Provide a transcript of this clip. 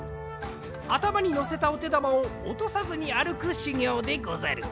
あたまにのせたおてだまをおとさずにあるくしゅぎょうでござる。